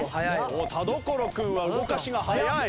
おっ田所君は動かしが早い！